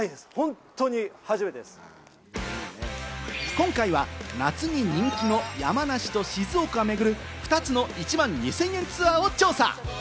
今回は夏に人気の山梨と静岡を巡る、２つの１万２０００円ツアーを調査。